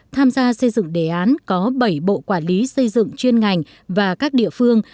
tham gia xây dựng đề án có bảy bộ quản lý xây dựng chuyên ngành và các địa phương